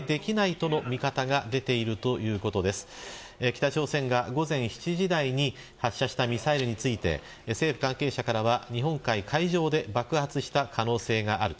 北朝鮮が、午前７時台に発射したミサイルついて政府関係者は日本海海上で爆発した可能性がある。